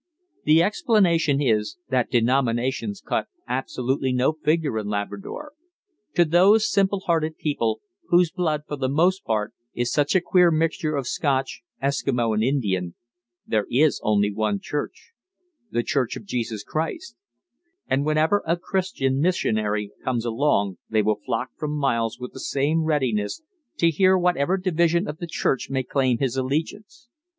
The explanation is, that denominations cut absolutely no figure in Labrador; to those simple hearted people, whose blood, for the most part, is such a queer mixture of Scotch, Eskimo, and Indian, there is only one church the Church of Jesus Christ, and whenever a Christian missionary comes along they will flock from miles with the same readiness to hear him whatever division of the Church may claim his allegiance.